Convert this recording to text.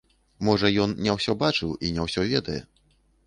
Можа, ён не ўсё бачыў і не ўсё ведае.